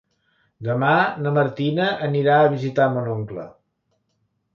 Demà na Martina anirà a visitar mon oncle.